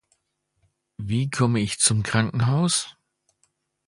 Wie komme ich zum Krankenhaus?